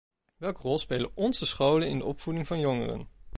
Welke rol spelen onze scholen in de opvoeding van jongeren?